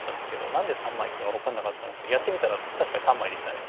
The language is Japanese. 何で３枚かが分かんなかったんですけどやってみたら確かに３枚でしたね。